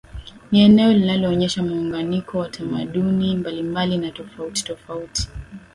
Ni eneo linaloonesha muunganiko wa tamaduni mbalimbali na tofauti tofauti